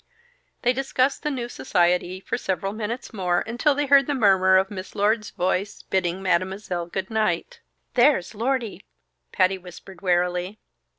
They discussed the new society for several minutes more, until they heard the murmur of Miss Lord's voice, bidding Mademoiselle goodnight. "There's Lordy!" Patty whispered warily.